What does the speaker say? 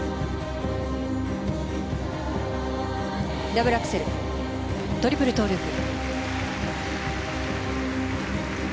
ダブルアクセルトリプルトウループ。